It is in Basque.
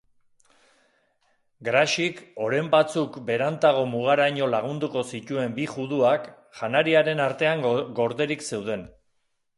Graxik oren batzuk berantago mugaraino lagunduko zituen bi juduak janariaren artean gorderik zeuden.